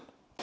thấy rằng là